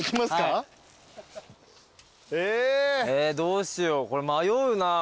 えどうしようこれ迷うな。